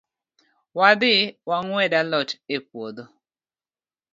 Wadhii wangwed alot e puodho.